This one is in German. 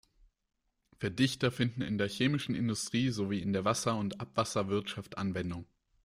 Verdichter finden in der chemischen Industrie sowie in der Wasser- und Abwasserwirtschaft Anwendung.